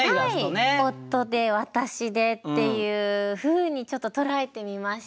夫で私でっていうふうにちょっと捉えてみました。